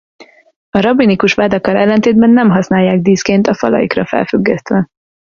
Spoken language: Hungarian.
A rabbinikus vádakkal ellentétben nem használják díszként a falaikra felfüggesztve.